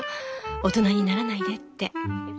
大人にならないでって。